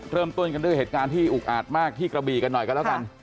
เริ่มต้นกันด้วยเหตุการณ์ที่อุกอาจมากที่กระบีกันหน่อยกันแล้วกัน